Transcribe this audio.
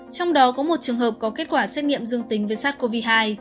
trong đó có một trường hợp có kết quả xét nghiệm dương tính với sars cov hai